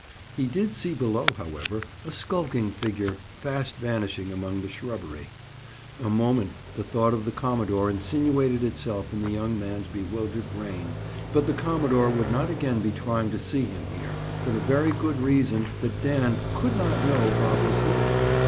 He did see below, however, a skulking figure fast vanishing among the shrubbery. A moment, the thought of the commodore insinuated itself in the young man's bewildered brain, but the commodore would not again be trying to see him (Bob) here, for the very good reason that Dan could not know Bob was here.